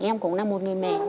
em cũng là một người mẹ